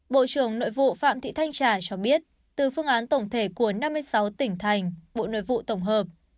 bộ trưởng nội vụ phạm thị thanh trà cho biết từ phương án tổng thể của năm mươi sáu tỉnh thành bộ nội vụ tổng hợp